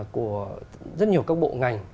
của rất nhiều các bộ ngành